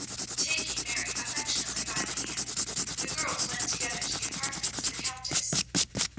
Taking Mary affectionately by the hand, the girls went together to the apartments of the Countess.